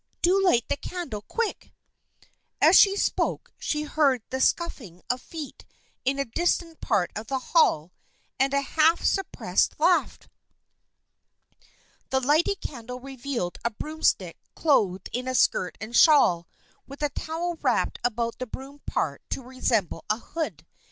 Do light the candle, quick !" As she spoke she heard the scuffling of feet in a distant part of the hall and a half suppressed laugh. The lighted candle revealed a broomstick clothed in a skirt and shawl, with a towel wrapped about the broom part to resemble a hood.